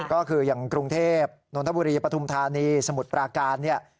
ก็คืออย่างกรุงเทพนนทบุรีปฐุมธานีสมุทรปราการเนี่ย